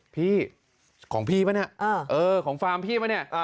พี่ของพี่ปะเนี่ยเออของฟาร์มพี่ปะเนี่ย